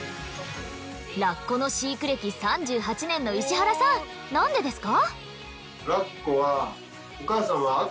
ラッコの飼育歴３８年の石原さんなんでですか？